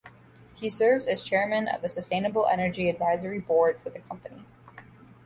He serves as chairman of the Sustainable Energy Advisory Board for the company.